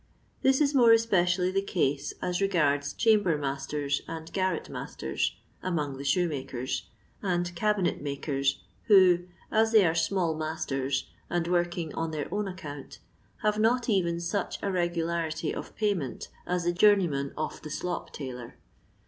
This is more especially the case as regards chamber masters and garret masters (among the shoemakers) and cabinet makers, who, as they are small masters, and working on their own account, have not even such a regularity of payment as the journeyman of the slop tailor.